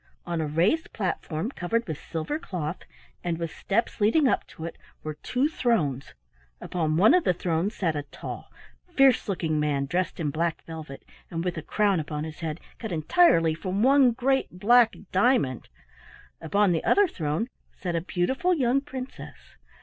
On a raised platform covered with silver cloth, and with steps leading up to it, were two thrones; upon one of the thrones sat a tall, fierce looking man dressed in black velvet, and with a crown upon his head cut entirely from one great black diamond; upon the other throne sat a beautiful young princess.